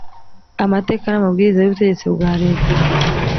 amateka n’ amabwiriza y’ ubutegetsi bwa leta